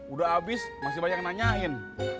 udah habis masih banyak yang nanyain